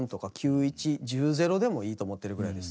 １００でもいいと思ってるぐらいです。